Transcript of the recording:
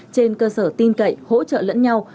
trên cơ sở tin cậy hỗ trợ lẫn nhau